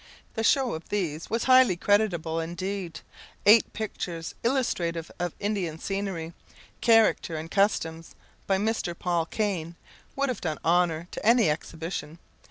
The show of these was highly creditable indeed. Eight pictures, illustrative of Indian scenery, character, and customs, by Mr. Paul Kane, would have done honour to any exhibition.